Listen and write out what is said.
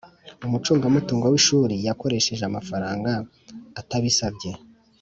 Umucungamutungo w’ishuri yakoresheje amafaranga atabisabye